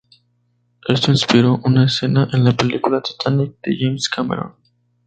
Esto inspiró una escena en la película ""Titanic"" de James Cameron.